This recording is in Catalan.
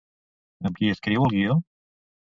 Amb qui escriu el guió?